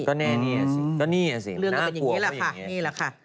ก็นี่อ่ะสิน่ากลัวก็อย่างนี้